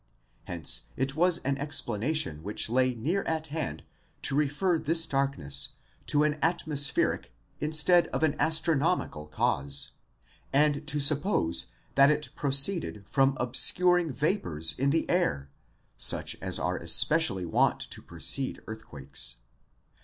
Hence it was an explanation which lay near at hand to refer this darkness to an atmospheric, instead of an astronomical cause, and to suppose that it proceeded from ob scuring vapours in the air, such as are especially wont to precede earthquakes.?